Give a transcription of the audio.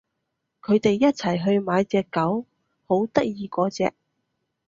佢哋一齊去買隻狗，好得意嗰隻